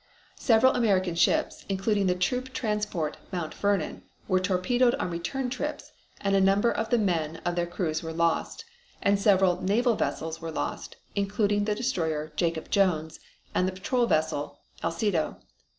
Several American ships, including the troop transport Mount Vernon, were torpedoed on return trips and a number of the men of their crews were lost, and several naval vessels were lost, including the destroyer Jacob Jones, and the patrol vessel Alcedo.